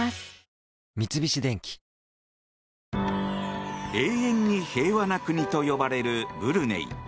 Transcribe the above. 三菱電機永遠に平和な国と呼ばれるブルネイ。